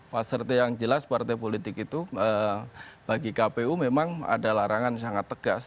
pak serti yang jelas partai politik itu bagi kpu memang ada larangan sangat tegas